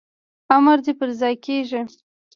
امر دي پرځای کیږي